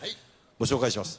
ご紹介します。